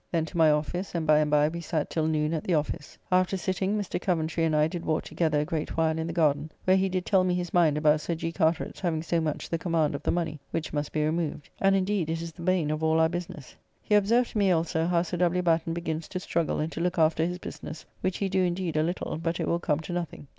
Then to my office, and by and by we sat till noon at the office. After sitting, Mr. Coventry and I did walk together a great while in the Garden, where he did tell me his mind about Sir G. Carteret's having so much the command of the money, which must be removed. And indeed it is the bane of all our business. He observed to me also how Sir W. Batten begins to struggle and to look after his business, which he do indeed a little, but it will come to nothing.